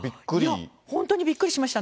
本当にびっくりしました。